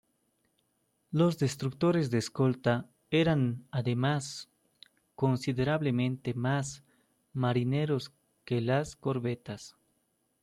Los destructores de escolta, eran además considerablemente más marineros que las corbetas.